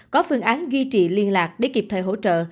có phương án ghi trị liên lạc để kịp thời hỗ trợ